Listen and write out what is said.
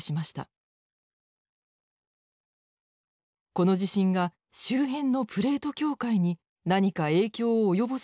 この地震が周辺のプレート境界に何か影響を及ぼさないのか。